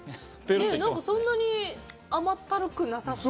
そんなに甘ったるくない。